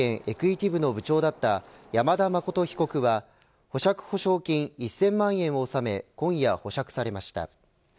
エクイティ部の部長だった山田誠被告は保釈保証金１０００万円を納め今夜、保釈されました。